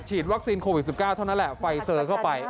วัคซีนโควิด๑๙เท่านั้นแหละไฟเซอร์เข้าไป